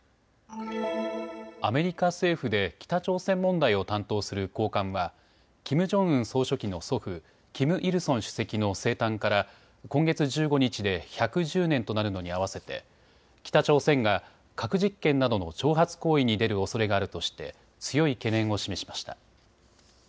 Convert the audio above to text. アメリカ政府で北朝鮮問題を担当する高官はキム・ジョンウン総書記の祖父、キム・イルソン主席の生誕から今月１５日で１１０年となるのに合わせて北朝鮮が核実験などの挑発行為に出るおそれがあるとして強い懸念を示しました。